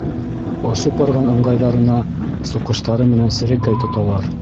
Осоп барған ыңғайҙарына суҡыштары менән серәкәй тоталар.